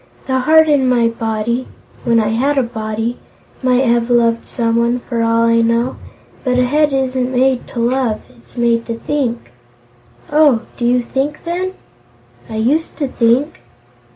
The heart in my body when I had a body might have loved someone, for all I know, but a head isn't made to love; it's made to think." "Oh; do you think, then?" "I used to think."